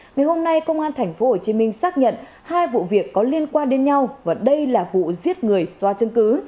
ngày hôm nay công an tp hcm xác nhận hai vụ việc có liên quan đến nhau và đây là vụ giết người do chứng cứ